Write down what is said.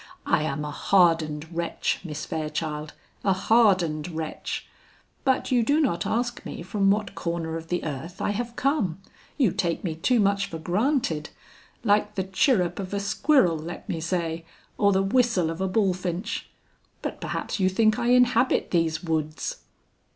I am a hardened wretch, Miss Fairchild, a hardened wretch! But you do not ask me from what corner of the earth I have come. You take me too much for granted; like the chirrup of a squirrel, let me say, or the whistle of a bullfinch. But perhaps you think I inhabit these woods?"